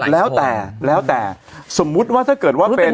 หลังแล้วแต่สมมติถ้าเกิดว่าเป็น